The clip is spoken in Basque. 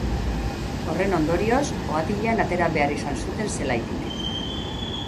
Horren ondorioz, ohatilan atera behar izan zuten zelaitik.